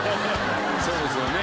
そうですよね。